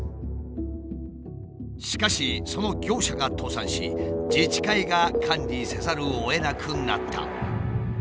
しかしその業者が倒産し自治会が管理せざるをえなくなった。